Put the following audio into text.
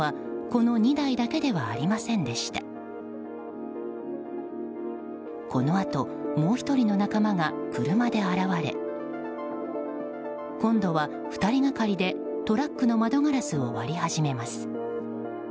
このあと、もう１人の仲間が車で現れ今度は２人かかりでトラックの窓ガラスを割り始めます。